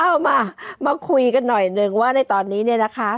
เอามามาคุยกันหน่อยหนึ่งว่าในตอนนี้เนี่ยนะคะ